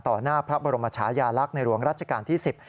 หน้าพระบรมชายาลักษณ์ในหลวงรัชกาลที่๑๐